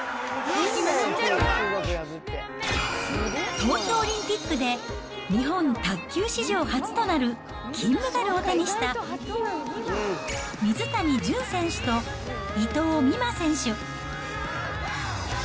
東京オリンピックで日本卓球史上初となる金メダルを手にした水谷隼選手と伊藤美誠選手。